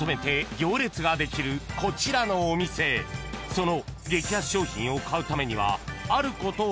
［その］